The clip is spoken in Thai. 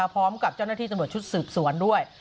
พร้อมกับจ้าน้าที่สนบทชุดสืบสวนด้วย